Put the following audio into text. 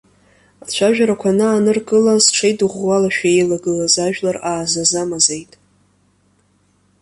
Ацәажәарақәа анааныркыла, зҽеидырӷәӷәалашәа иеилагылаз ажәлар аазаза-мазеит.